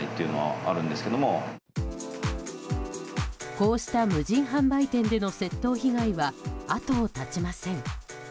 こうした無人販売店での窃盗被害は後を絶ちません。